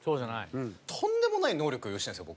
とんでもない能力を有してるんですよ